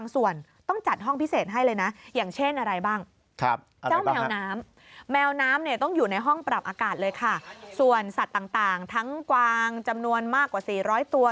ส่วนสัตว์ต่างทั้งกวางจำนวนมากกว่า๔๐๐ตัว